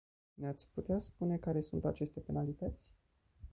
Ne-ați putea spune care sunt aceste penalități?